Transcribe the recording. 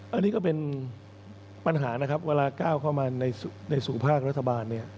อันนี้ก็เป็นปัญหานะครับเวลาก้าวเข้ามาในสู่ภาครัฐบาลเนี่ย